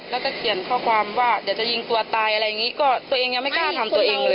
แล้วก็เขียนข้อความว่าเดี๋ยวจะยิงตัวตายอะไรอย่างนี้ก็ตัวเองยังไม่กล้าทำตัวเองเลย